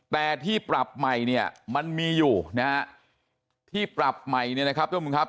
แต่ที่ปรับใหม่เนี่ยมันมีอยู่นะฮะที่ปรับใหม่เนี่ยนะครับท่านผู้ชมครับ